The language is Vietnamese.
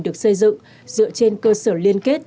được xây dựng dựa trên cơ sở liên kết